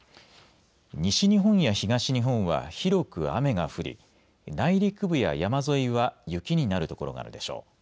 西日本や東日本は広く雨が降り内陸部や山沿いは雪になる所があるでしょう。